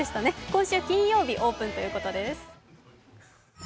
今週金曜日オープンということです。